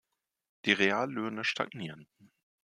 Die Reallöhne stagnieren.